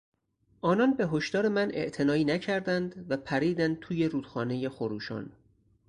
آنان به هشدار مناعتنایی نکردند و پریدند توی رودخانهی خروشان.